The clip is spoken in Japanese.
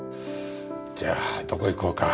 じゃあどこ行こうか？